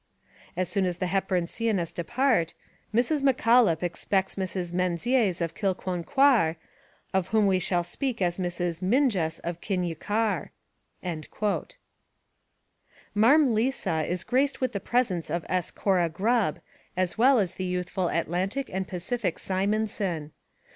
As soon as the Hepburn Sciennes depart, Mrs. M'Collop expects Mrs. Menzies of Kilconquhar, of whom we shall speak as Mrs. Mingess of Kinyukkar." Marm Lisa is graced with the presence of S. Cora Grubb, as well as the youthful Atlantic and Pacific Simonson.